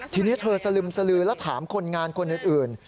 ทีนี้เธอสลึมสลือแล้วถามคนงานคนอื่น